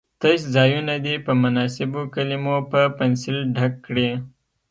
تش ځایونه دې په مناسبو کلمو په پنسل ډک کړي.